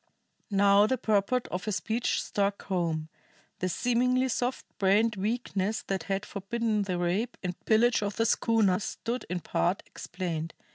Now the purport of her speech struck home; the seemingly soft brained weakness that had forbidden the rape and pillage of the schooner stood in part explained.